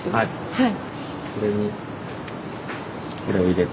はい。